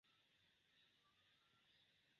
Tiam granda parto de la meblaro perdiĝis.